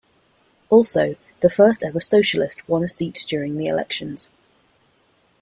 Also, the first-ever Socialist won a seat during the elections.